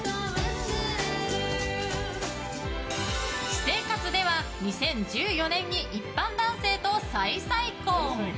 私生活では２０１４年に一般男性と再々婚。